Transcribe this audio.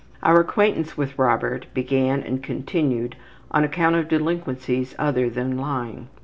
Our acquaintance with Robert began and continued on account of delinquencies other than lying.